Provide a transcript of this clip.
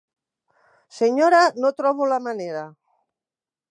Senyora, no trobo la manera.